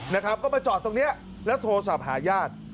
นะครับก็มาจอดตรงนี้แล้วโทรศัพท์หาญาติ